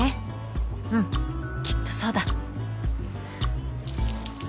うんきっとそうだ